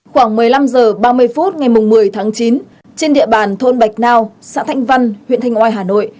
khoảng một mươi năm h ba mươi phút ngày một mươi tháng chín trên địa bàn thôn bạch nao xã thanh văn huyện thanh oai hà nội